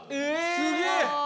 すげえ。